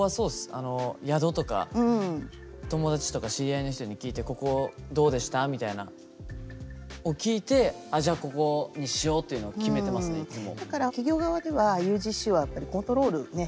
あの宿とか友達とか知り合いの人に聞いて「ここどうでした？」みたいなんを聞いてあっじゃここにしようというのを決めてますねいつも。